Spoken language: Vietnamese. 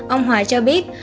ông hòa cho biết